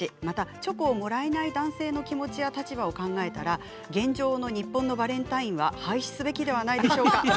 また、チョコをもらえない男性の気持ちや立場を考えたら現状の日本のバレンタインは廃止すべきではないでしょうか。